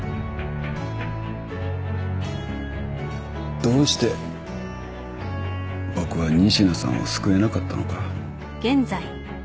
どうして僕は仁科さんを救えなかったのか。